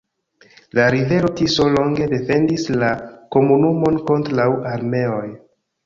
La rivero Tiso longe defendis la komunumon kontraŭ armeoj.